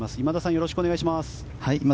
よろしくお願いします。